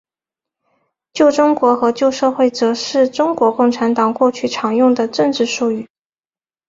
旧中国和旧社会则是中国共产党过去常用的政治术语。